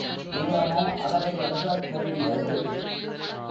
உள்ளமோ அவரை எழுதத் தூண்டியது.